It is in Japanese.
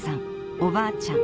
おばあちゃん